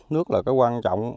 nước là cái quan trọng